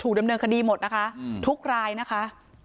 ถูกเดิมเดิมคดีหมดนะคะทุกรายนะคะ